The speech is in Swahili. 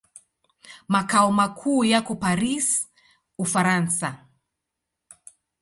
Makao makuu yako Paris, Ufaransa.